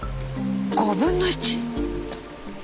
５分の１！？